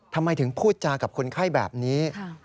ทำไมถึงพูดจากับคนไข้แบบนี้